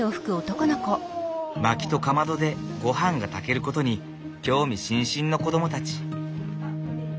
まきとかまどでごはんが炊けることに興味津々の子どもたち。